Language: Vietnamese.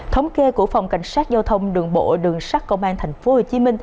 thống kê của phòng cảnh sát giao thông đường bộ đường sắt công an tp hcm